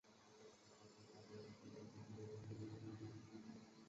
白尾鼹属等之数种哺乳动物。